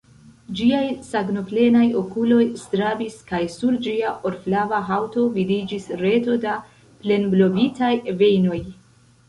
Ĝiaj sangoplenaj okuloj strabis, kaj sur ĝia orflava haŭto vidiĝis reto da plenblovitaj vejnoj.